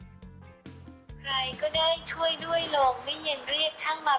โลงไม่เย็นเรียกช่างมา